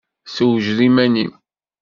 Sewjed iman-im.